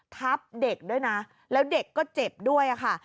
ทับเด็กด้วยนะแล้วเด็กก็เจ็บด้วยค่ะ